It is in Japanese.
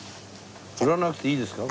振らなくていいですか？